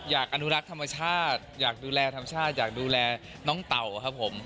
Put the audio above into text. อยากอนุรักษ์ธรรมชาติอยากดูแลธรรมชาติอยากดูแลน้องเต่าครับผม